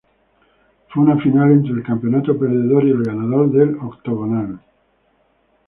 Fue una final entre el campeón perdedor y el ganador del Octogonal.